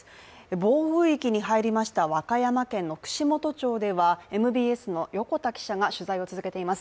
暴風域に入りました和歌山県の串本町ではＭＢＳの横田さんが取材を続けています。